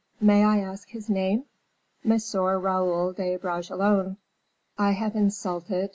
May I ask his name?" "M. Raoul de Bragelonne." "I have insulted M.